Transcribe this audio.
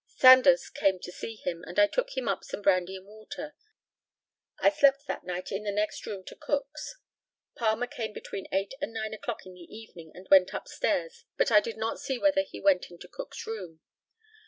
Sandars came to see him, and I took him up some brandy and water. I slept that night in the next room to Cook's. Palmer came between eight and nine o'clock in the evening, and went up stairs, but I did not see whether he went into Cook's room.